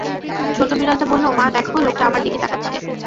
ছোট বিড়ালটা বলল, মা-দেখ, লোকটা আমার দিকে তাকাচ্ছে।